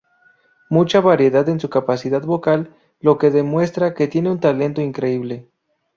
Mucha variedad en su capacidad vocal, lo que demuestra que tiene un talento increíble.